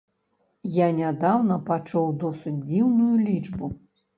Я нядаўна пачуў досыць дзіўную лічбу.